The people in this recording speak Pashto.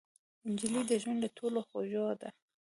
نجلۍ د ژوند له ټولو خوږه ده.